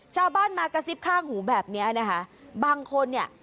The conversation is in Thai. ชาวบ้านมากระซิบข้างหูแบบเนี้ยนะคะบางคนเนี่ย